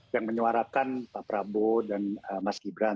yang menyuarakan pak prabowo dan mas gibran